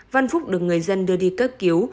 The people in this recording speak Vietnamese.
văn phúc được người dân đưa đi cất cứu